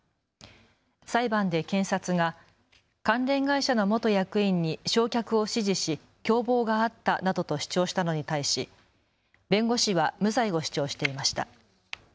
裁判で検察が関連会社の元役員に焼却を指示し共謀があったなどと主張したのに対し弁護士は無罪を主張していました。